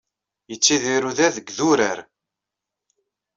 Yettidir wudad deg yidurar.